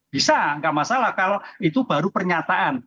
bisa nggak masalah kalau itu baru pernyataan